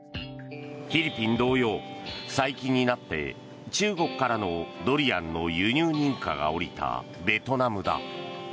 フィリピン同様、最近になって中国からのドリアンの輸入認可が下りたベトナムだ。